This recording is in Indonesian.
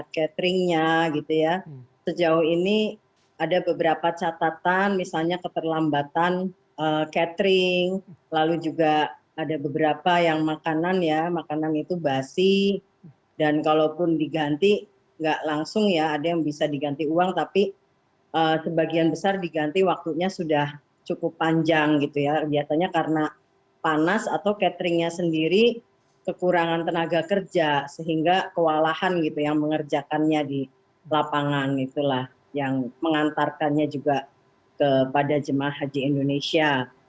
karena panas atau cateringnya sendiri kekurangan tenaga kerja sehingga kewalahan gitu yang mengerjakannya di lapangan itulah yang mengantarkannya juga kepada jemaah haji indonesia